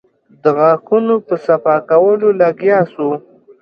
د غاښونو په صفا کولو لگيا سو.